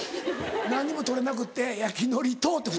「何にも取れなくって」「焼きのりと」って。